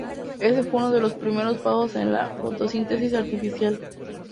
Ese fue uno de los primeros pasos en la fotosíntesis artificial.